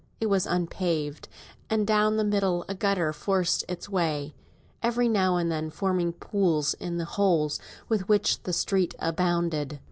It was unpaved; and down the middle a gutter forced its way, every now and then forming pools in the holes with which the street abounded.